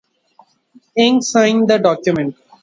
Ink sign the document